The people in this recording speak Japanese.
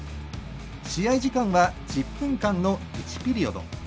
試合時間は１０分間の１ピリオド。